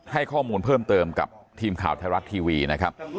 ให้ข้อมูลเพิ่มเติมกับทีมข่าวไทยรัฐทีวีนะครับ